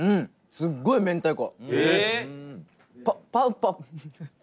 すごい明太子！